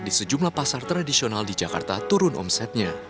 di sejumlah pasar tradisional di jakarta turun omsetnya